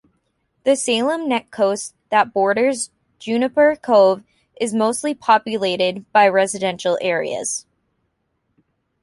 The Salem Neck coast that borders Juniper Cove is mostly populated, by residential areas.